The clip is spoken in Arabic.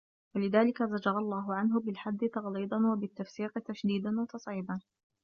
وَلِذَلِكَ زَجَرَ اللَّهُ عَنْهُ بِالْحَدِّ تَغْلِيظًا وَبِالتَّفْسِيقِ تَشْدِيدًا وَتَصْعِيبًا